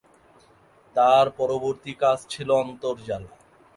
তার পরবর্তী কাজ ছিল "অন্তর জ্বালা"।